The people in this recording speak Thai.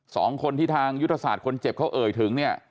สองคนที่ทางยุทธศาสตร์คนเจ็บเขาเอ่ยถึงเนี่ย